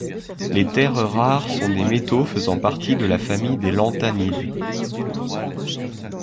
Les terres rares sont des métaux faisant partie de la famille des lanthanides.